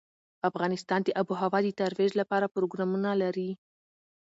افغانستان د آب وهوا د ترویج لپاره پروګرامونه لري.